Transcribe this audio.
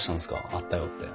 あったよって。